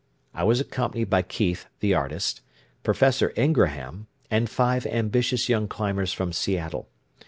I was accompanied by Keith, the artist, Professor Ingraham, and five ambitious young climbers from Seattle.